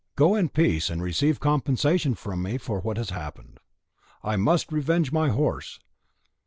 Go in peace and receive compensation from me for what has happened." "I must revenge my horse."